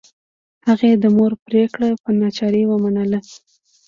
هغې د مور پریکړه په ناچارۍ ومنله